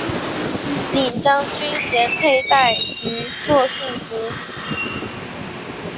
领章军衔佩戴于作训服。